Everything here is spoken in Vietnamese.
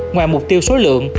ngoài mục tiêu số lượng